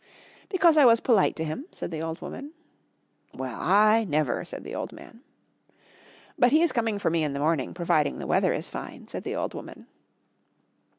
"Because I was polite to him," said the old woman. "Well I never," said the old man. "But he is coming for me in the morning, providing the weather is fine," said the old woman.